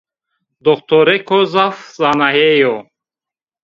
Doktorêko zaf zanaye yo